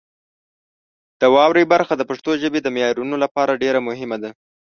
د واورئ برخه د پښتو ژبې د معیارونو لپاره ډېره مهمه ده.